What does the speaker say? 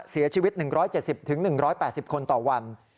เสียชีวิต๑๗๐๑๘๐คนต่อวัน